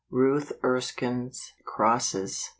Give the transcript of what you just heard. Ruth Erskine's Crosses.